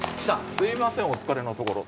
すいませんお疲れのところ。